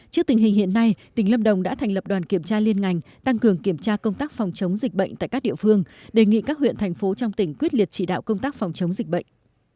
trước tình hình hiện nay tỉnh lâm đồng đã thành lập đoàn kiểm tra liên ngành tăng cường kiểm tra công tác phòng chống dịch bệnh tại các địa phương đề nghị các huyện thành phố trong tỉnh quyết liệt chỉ đạo công tác phòng chống dịch bệnh